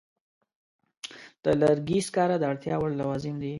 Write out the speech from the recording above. د لرګي سکاره د اړتیا وړ لوازم دي.